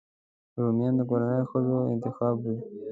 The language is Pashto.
رومیان د کورنۍ ښځو انتخاب وي